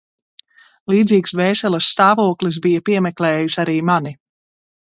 Līdzīgs dvēseles stāvoklis bija piemeklējis arī mani.